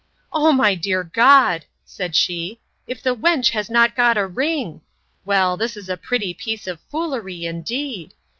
O my dear God! said she, if the wench has not got a ring!—Well, this is a pretty piece of foolery, indeed!